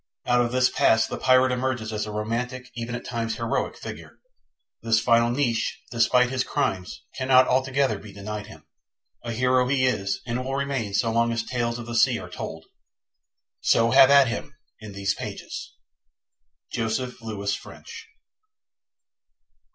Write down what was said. Out of this past the pirate emerges as a romantic, even at times heroic, figure. This final niche, despite his crimes, cannot altogether be denied him. A hero he is and will remain so long as tales of the sea are told. So, have at him, in these pages! JOSEPH LEWIS FRENCH.